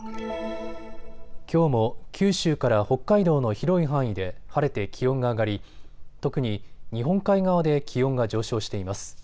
きょうも九州から北海道の広い範囲で晴れて気温が上がり特に日本海側で気温が上昇しています。